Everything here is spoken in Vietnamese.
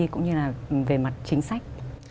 cũng như là về mặt chính sách